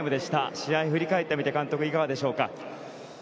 試合を振り返ってみていかがでしょうか？